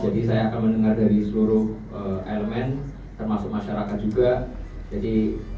jadi saya akan mendengar dari seluruh elemen termasuk masyarakat juga jadi